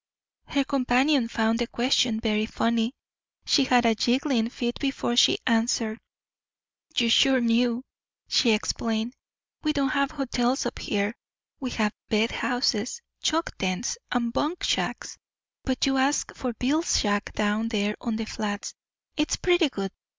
Her companion found the question very funny. She had a giggling fit before she answered. "You're sure new," she explained. "We don't have hotels up here. We have bed houses, chuck tents, and bunk shacks. You ask for Bill's Shack down there on the Flats. It's pretty good.